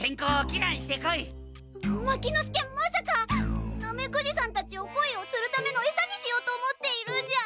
牧之介まさかナメクジさんたちをコイをつるためのえさにしようと思っているんじゃ。